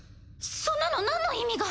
そんなのなんの意味が。